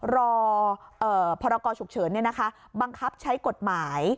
รอพรกรฉุกเฉินบังคับใช้กฎหมาย